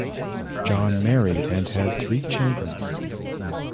John married and had three children.